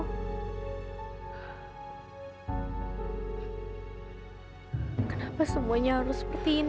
kenapa semuanya harus seperti ini